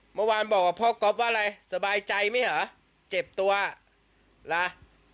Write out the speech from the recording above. เมื่อวานบอกกับพ่อกอฟว่าอะไรสบายใจมั้ยหรอเจ็บตัวลา